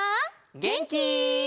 げんき？